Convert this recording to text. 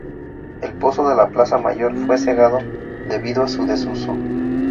El pozo de la Plaza Mayor fue cegado debido a su desuso.